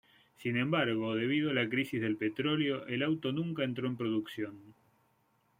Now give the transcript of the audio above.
Sin embargo, debido a la crisis del petróleo, el auto nunca entró en producción.